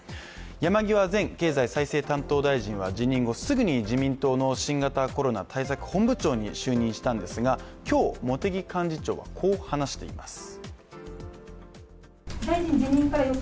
山際前経済再生担当大臣は辞任後、すぐに自民党の新型コロナ対策本部長に就任したんですが、今日、茂木幹事長はこう話しています。